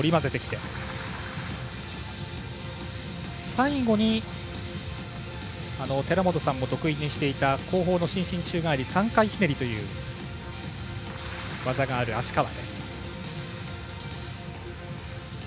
最後に、寺本さんも得意にしていた後方の伸身宙返り３回ひねりという技がある芦川。